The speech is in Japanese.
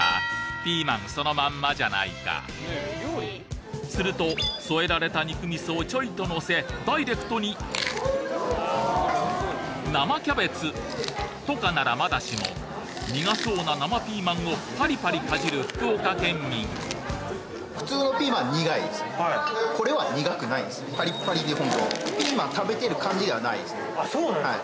ピーマンそのまんまじゃないかすると添えられた肉みそをちょいとのせダイレクトに生キャベツとかならまだしも苦そうな生ピーマンをパリパリかじる福岡県民あっそうなんですか。